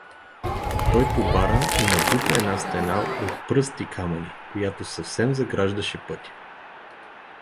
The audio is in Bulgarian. Той побара и набута една стена от пръст и камъни, която съвсем заграждаше пътя.